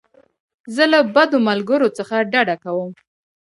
زه له بدو ملګرو څخه ډډه کوم.